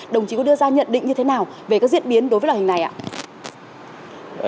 đồng chí có đưa ra nhận định như thế nào về các diễn biến đối với loại hình này ạ